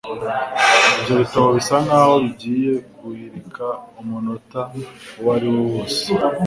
Ibyo bitabo bisa nkaho bigiye guhirika umunota uwariwo wose